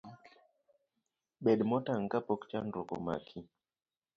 Bed motang' kapok chandruok omaki.